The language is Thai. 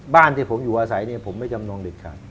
บ้านที่ผมอยู่อาศัยผมไปจำนองเด็ดขาด